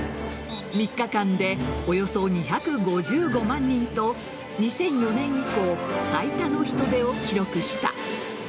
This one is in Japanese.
３日間で、およそ２５５万人と２００４年以降最多の人出を記録した。